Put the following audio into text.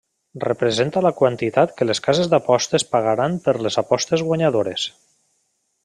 Representa la quantitat que les cases d'apostes pagaran per les apostes guanyadores.